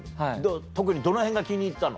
特にどのへんが気に入ったの？